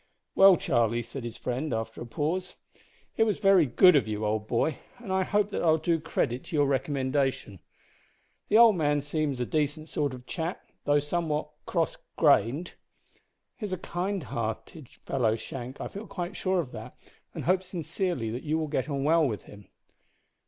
"Well, Charlie," said his friend, after a pause, "it was very good of you, old boy, and I hope that I'll do credit to your recommendation. The old man seems a decent sort of chap, though somewhat cross grained." "He is kind hearted, Shank; I feel quite sure of that, and hope sincerely that you will get on well with him."